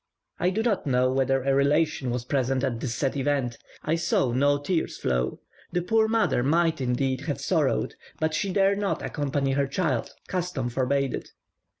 I do not know whether a relation was present at this sad event; I saw no tears flow. The poor mother might, indeed, have sorrowed, but she dare not accompany her child; custom forbade it.